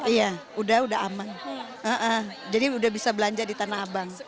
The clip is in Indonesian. iya udah udah aman jadi udah bisa belanja di tanah abang